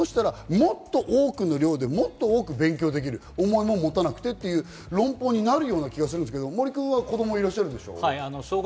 そしたら、もっと多くの量でもっと多く勉強できる、重い物を持たなくてという論法になる気がするんですけど、森君、子供いらっしゃるでしょう？